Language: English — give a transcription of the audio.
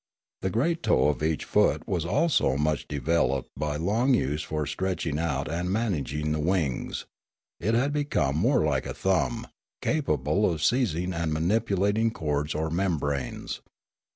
The great toe of each foot was also much developed by long use for stretching out and managing the wings; it had become more like a thumb, 34 Limanora capable of seizing and manipulating cords or mem branes.